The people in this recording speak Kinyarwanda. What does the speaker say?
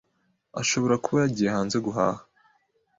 Ashobora kuba yagiye hanze guhaha.